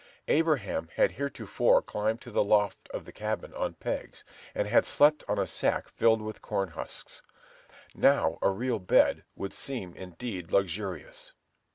Abraham had heretofore climbed to the loft of the cabin on pegs, and had slept on a sack filled with corn husks: now a real bed would seem indeed luxurious.